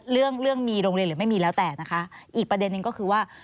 เรื่องเรื่องมีโรงเรียนหรือไม่มีแล้วแต่นะคะอีกประเด็นนึงก็คือว่า